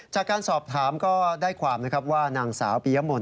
จากการสอบถามก็ได้ความนะครับว่านางสาวปียมนต